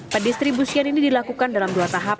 pendistribusian ini dilakukan dalam dua tahap